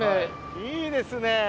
・いいですね！